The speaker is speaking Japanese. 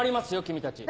君たち。